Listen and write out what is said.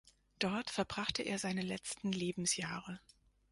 Dort verbrachte er seine letzten Lebensjahre.